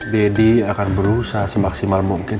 deddy akan berusaha semaksimal mungkin